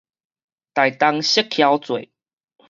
台東釋迦節